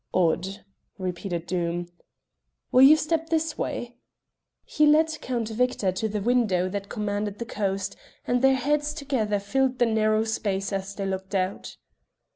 "Odd!" repeated Doom. "Will you step this way?" He led Count Victor to the window that commanded the coast, and their heads together filled the narrow space as they looked out.